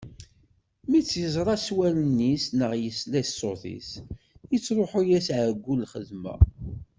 Mi tt-yeẓra s wallen-is neɣ yesla i ṣṣut-is, yettruḥu-yas ɛeggu n lxedma.